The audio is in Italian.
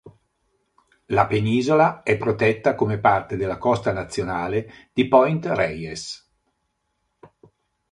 La penisola è protetta come parte della Costa Nazionale di Point Reyes.